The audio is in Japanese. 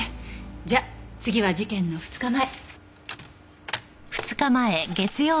じゃあ次は事件の２日前。